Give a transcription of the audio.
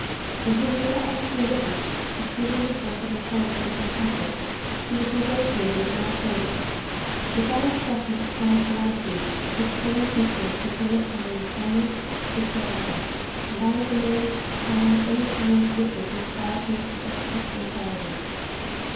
When he was not actually with us, pursuing his work of encouragement and comfort, he was negotiating in our favour. With that expression of calm serenity, his plain features became at times almost patriarchal; and I was amazed to find any Chinese gifted with qualities of such Christian charity.